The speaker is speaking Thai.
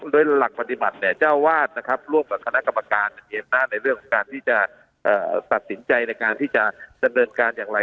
โดยหลักปฏิบัติเนี่ยเจ้าวาดนะครับร่วมกับคณะกรรมการมีอำนาจในเรื่องของการที่จะตัดสินใจในการที่จะดำเนินการอย่างไร